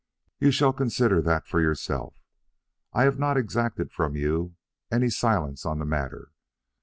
"You shall consider that for yourself. I have not exacted from you any silence on the matter.